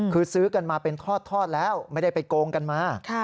คือซื้อกันมาเป็นทอดแล้วไม่ได้ไปโกงกันมา